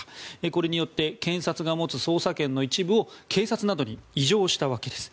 これによって検察が持つ捜査権の一部を警察などに移譲したわけです。